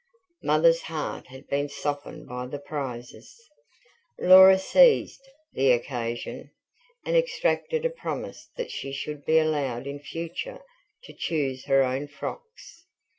Mother's heart had been softened by the prizes; Laura seized the occasion, and extracted a promise that she should be allowed in future to choose her own frocks.